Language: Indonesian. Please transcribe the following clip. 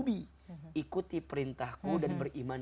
ikuti perintahku dan beriman